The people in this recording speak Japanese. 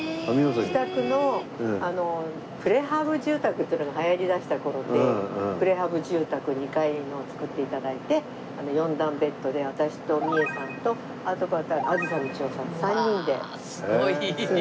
自宅のあのプレハブ住宅っていうのがはやりだした頃でプレハブ住宅２階のを造っていただいて４段ベッドで私とミエさんとあと梓みちよさんと３人で住んでました。